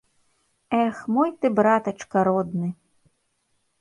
Эх, мой ты братачка родны!